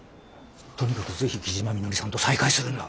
とにかく是非木嶋みのりさんと再会するんだ。